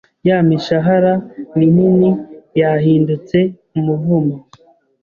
Ya mishahara minini yahindutse umuvumo.